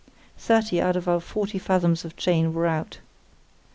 Thirty out of our forty fathoms of chain were out.